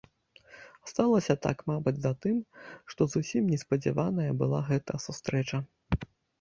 Сталася так, мабыць, затым, што зусім неспадзяваная была гэта сустрэча.